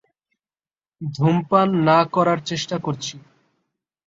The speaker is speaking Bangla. ধূমপান না করার চেষ্টা করছি।